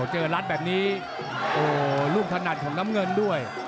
เจอลัดแบบนี้ลูกถนัดของน้ำเงินนี่ด้วย